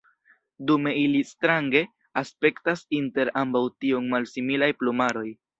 Dume ili strange aspektas inter ambaŭ tiom malsimilaj plumaroj.